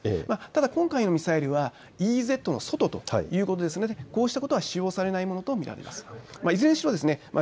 ただ今回のミサイルはＥＥＺの外ということことでこうしたことは使用されないものと見られます。